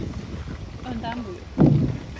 Önden buyur.